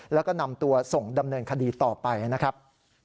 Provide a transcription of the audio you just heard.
แล้วก็นำตัวส่งดำเนินคดีต่อไปนะครับ